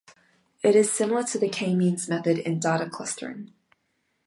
It is similar to the k-means method in data clustering.